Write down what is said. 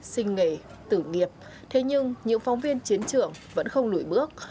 sinh nghề tử nghiệp thế nhưng những phóng viên chiến trưởng vẫn không lủi bước